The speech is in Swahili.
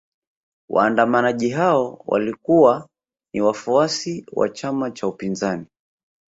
Waandamanaji hao walikuwa ni wafuasi wa chama cha upinzani